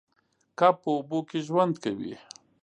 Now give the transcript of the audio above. کب په اوبو کې ژوند کوي